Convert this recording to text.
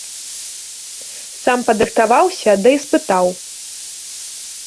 Сам падрыхтаваўся да іспытаў.